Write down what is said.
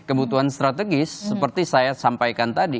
kebutuhan strategis seperti saya sampaikan tadi